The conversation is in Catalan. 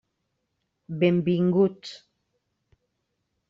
Benvinguts.